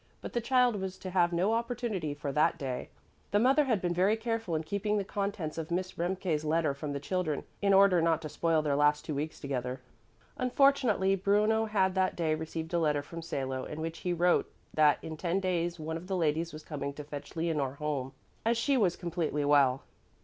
But the child was to have no opportunity for that day. The mother had been very careful in keeping the contents of Miss Remke's letter from the children in order not to spoil their last two weeks together. Unfortunately Bruno had that day received a letter from Salo, in which he wrote that in ten days one of the ladies was coming to fetch Leonore home, as she was completely well.